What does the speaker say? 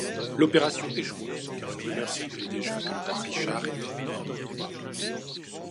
L'opération échoua car une rumeur circulait déjà que le roi Richard était mort.